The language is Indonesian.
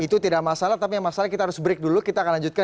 itu tidak masalah tapi masalahnya kita harus break dulu kita akan lanjutkan